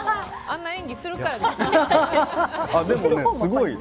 あんな演技するからですよ。